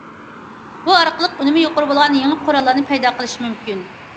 بۇ ئارقىلىق ئۈنۈمى يۇقىرى بولغان يېڭى قوراللارنى پەيدا قىلىشى مۇمكىن.